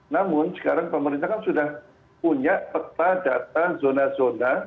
namun sekarang pemerintah kan sudah punya peta data zona zona